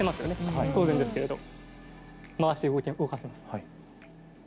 当然ですけれど回して動かせます。